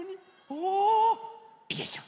およいしょ！